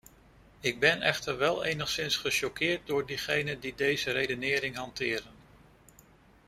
Ik ben echter wel enigszins gechoqueerd door degenen die deze redenering hanteren.